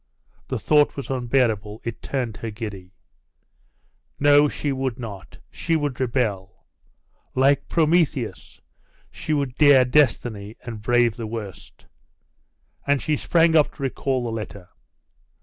The thought was unbearable; it turned her giddy. No! she would not! She would rebel! Like Prometheus, she would dare destiny, and brave its worst! And she sprang up to recall the letter....